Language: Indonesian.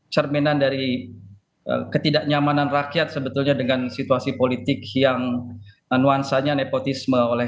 cerminan dari ketidaknyamanan rakyat sebetulnya dengan situasi politik yang nuansanya nepotisme oleh